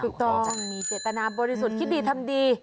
ถูกต้องมีเจตนาบริสุทธิ์คิดดีทำดี